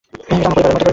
এটা আমার পরিবারের মত।